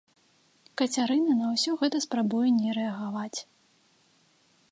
Кацярына на ўсё гэта спрабуе не рэагаваць.